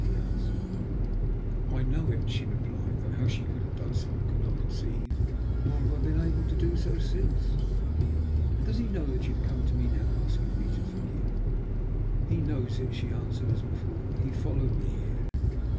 he asked. "I know it," she replied, though how she could have done so I could not conceive, nor have I been able to do so since. "And does he know that you have come to me now asking me to forgive?" "He knows it," she answered, as before. "He followed me here."